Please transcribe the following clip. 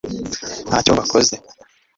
ntacyo wakoze